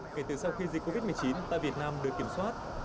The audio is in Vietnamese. kể từ sau khi dịch covid một mươi chín tại việt nam được kiểm soát